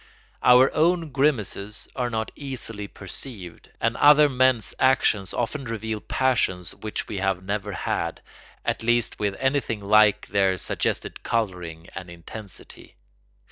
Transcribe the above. Our own grimaces are not easily perceived, and other men's actions often reveal passions which we have never had, at least with anything like their suggested colouring and intensity.